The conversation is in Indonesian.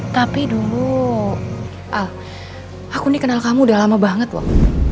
tapi dulu al aku ini kenal kamu udah lama banget wak